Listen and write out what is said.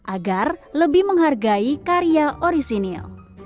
agar lebih menghargai karya orisinil